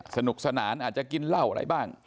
สนุกสนานอาจจะกินเหล้าอะไรบ้าง